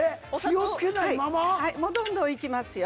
はいもうどんどんいきますよ